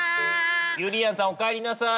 ゆりやんさんおかえりなさい！